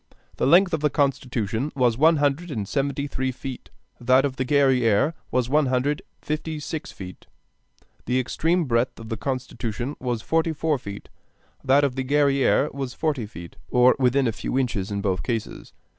The length of the Constitution was one hundred and seventy three feet, that of the Guerrière was one hundred and fifty six feet; the extreme breadth of the Constitution was forty four feet, that of the Guerrière was forty feet: or within a few inches in both cases.